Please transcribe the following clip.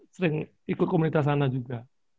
sering ikut komunitas sana juga